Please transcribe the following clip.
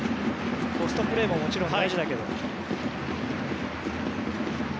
ポストプレーももちろん大事だけど。